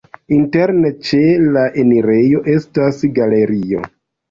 Interne ĉe la enirejo estas galerio.